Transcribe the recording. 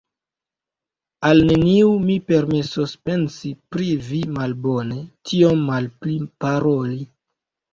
Al neniu mi permesos pensi pri vi malbone, tiom malpli paroli.